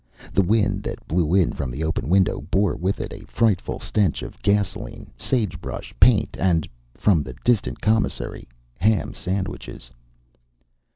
The wind that blew in from the open window bore with it a frightful stench of gasoline, sagebrush, paint, and from the distant commissary ham sandwiches.